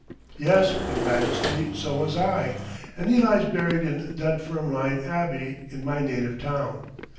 "Yes, Your Majesty, so was I, and he lies buried in Dunfermline Abbey, in my native town.